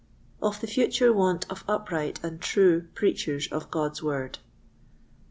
Of the future Want of upright and true Preachers of God's Word.